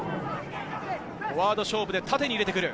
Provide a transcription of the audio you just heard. フォワード勝負で縦に入れてくる。